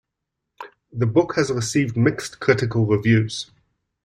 The book has received mixed critical reviews.